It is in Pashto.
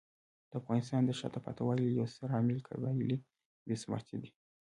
د افغانستان د شاته پاتې والي یو ستر عامل قبایلي بې ثباتي دی.